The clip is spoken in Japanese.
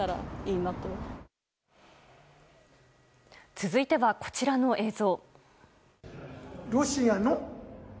続いては、こちらの映像。